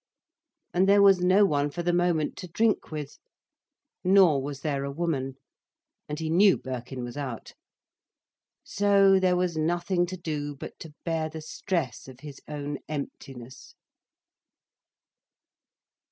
And there was no one for the moment to drink with. Nor was there a woman. And he knew Birkin was out. So there was nothing to do but to bear the stress of his own emptiness.